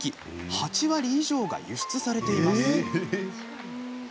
８割以上が輸出されています。